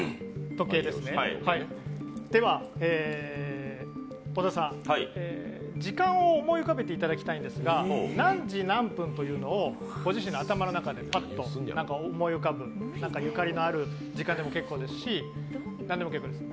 では、小田さん、時間を思い浮かべていただきたいんですが何時何分というのをご自身の頭の中でパッと思い浮かべてゆかりのある時間でも結構ですし、何でも結構です。